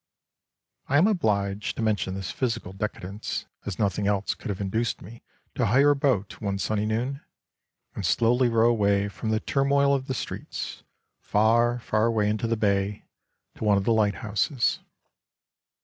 I am obliged to mention this physical decadence, as nothing else could have induced me to hire a boat one sunny noon, and slowly row away from the turmoil of the streets, far, far away into the bay, to one of the lighthouses.